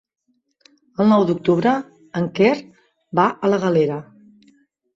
El nou d'octubre en Quer va a la Galera.